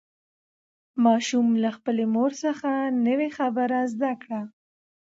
ماشوم له خپلې مور څخه نوې خبره زده کړه